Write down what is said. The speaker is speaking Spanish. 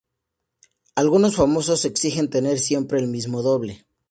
Algunos famosos exigen tener siempre el mismo doble.